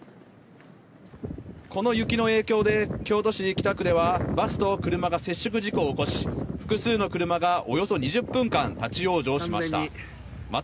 この雪の影響で、京都市北区ではバスと車が接触事故を起こし、複数の車がおよそ２０分間立往生しました。